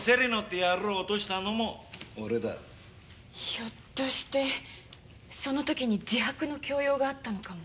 ひょっとしてその時に自白の強要があったのかも。